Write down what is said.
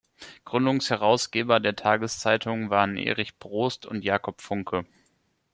Gründungsherausgeber der Tageszeitung waren Erich Brost und Jakob Funke.